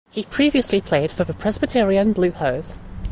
He previously played for the Presbyterian Blue Hose.